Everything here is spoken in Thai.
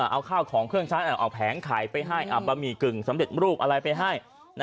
เอาข้าวของเครื่องใช้เอาแผงไข่ไปให้บะหมี่กึ่งสำเร็จรูปอะไรไปให้